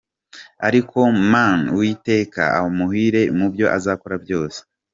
ariko Mana uwiteka amuhire mubyo azakora byose.